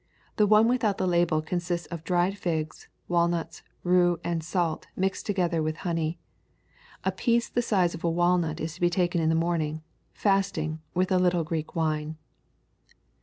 The one without the label consists of dried figs, walnuts, rue, and salt, mixed together with honey. A piece of the size of a walnut to be taken in the morning, fasting, with a little Greek wine."